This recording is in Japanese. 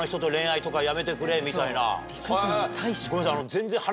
ごめんなさい。